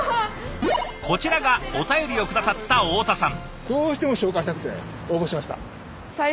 こちらがお便りを下さった大田さん。